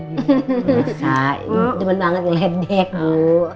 masa ini temen banget nih lelek